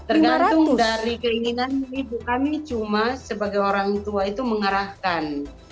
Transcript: tergantung dari keinginan ibu kami cuma sebagai orang tua itu mengarahkan